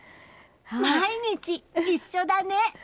毎日一緒だね！